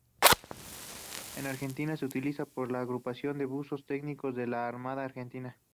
En Argentina es utilizada por la Agrupación de Buzos Tácticos de la Armada Argentina.